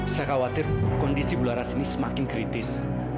saya khawatir kondisi bularas ini semakin kritis